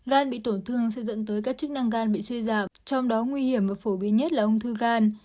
gan bị tổn thương sẽ dẫn tới các chức năng gan bị suy giảm trong đó nguy hiểm và phổ biến nhất là ung thư gan